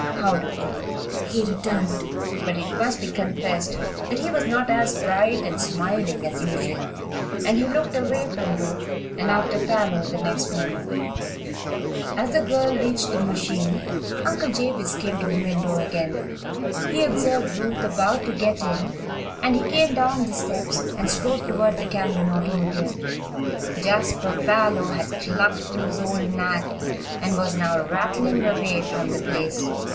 "How do, Ruth," he returned; but it must be confessed that he was not as bright and smiling as usual, and he looked away from Ruth and after Parloe the next moment. As the girl reached the machine Uncle Jabez came to the mill door again. He observed Ruth about to get in and he came down the steps and strode toward the Cameron automobile. Jasper Parloe had clucked to his old nag and was now rattling away from the place.